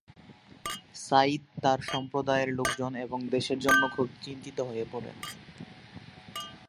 সাইদ তার সম্প্রদায়ের লোকজন এবং দেশের জন্য খুবই চিন্তিত হয়ে পড়েন।